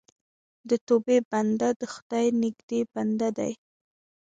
د توبې بنده د خدای نږدې بنده دی.